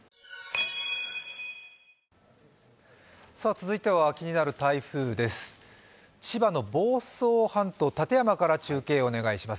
続いては気になる台風です。